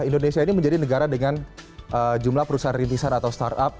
indonesia ini menjadi negara dengan jumlah perusahaan rintisan atau startup